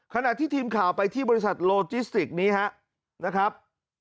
ขณะที่ทีมข่าวไปที่บริษัทโลจิสติกนี้นะครับ